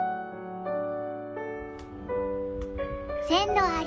線路あり。